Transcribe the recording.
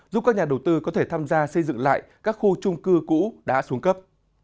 giúp các nhà đầu tư có thể tham gia xây dựng lại các khu trung cư cũ đã xuống cấp